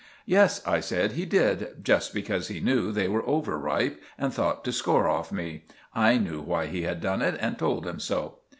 "Yes," I said, "he did—just because he knew they were over ripe and thought to score off me. I knew why he had done it, and told him so."